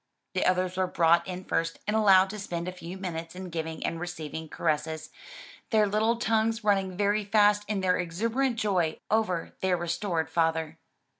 The others were brought in first and allowed to spend a few minutes in giving and receiving caresses, their little tongues running very fast in their exuberant joy over their restored father.